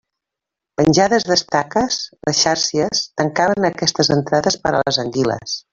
Penjades d'estaques, les xàrcies tancaven aquestes entrades per a les anguiles.